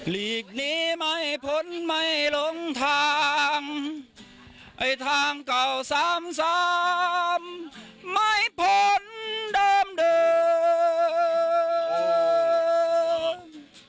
ลีกนี้ไม่พ้นไม่ลงทางไอ้ทางเก่าสามสามไม่พ้นเดิม